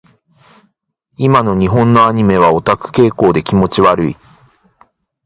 今の日本のアニメはオタク傾向で気持ち悪い。